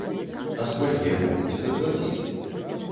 А свае могуць і даплаціць.